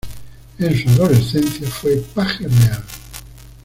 En su adolescencia fue paje real.